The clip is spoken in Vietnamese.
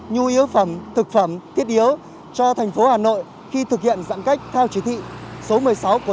nhu yếu phẩm thực phẩm thiết yếu